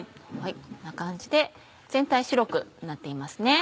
こんな感じで全体白くなっています。